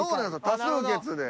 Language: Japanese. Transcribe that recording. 多数決で。